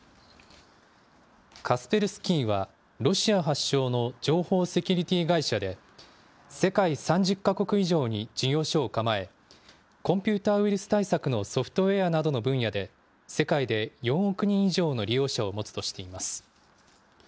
カスペルスキーはロシア発祥の情報セキュリティー会社で世界３０か国以上に事業所を構えコンピューターウイルス対策のソフトウエアなどの分野で世界で４億人以上の利用者を持つとしています。